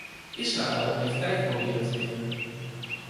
Israël heeft tijd proberen te winnen.